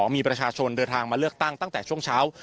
มีประชาชนเดินทางมาเลือกตั้งตั้งแต่ช่วงเช้า